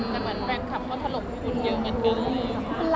แต่แฟนคลับก็ถลงคุณเดียวกันกันเลย